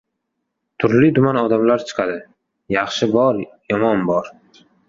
Turli-tuman odamlar chiqadi, yaxshi bor, yomon bor.